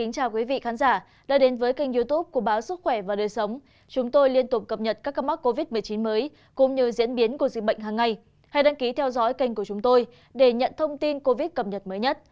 các bạn hãy đăng ký kênh để ủng hộ kênh của chúng mình nhé